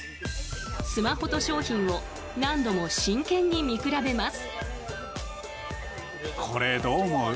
スマホと商品を何度も真剣に見比べます。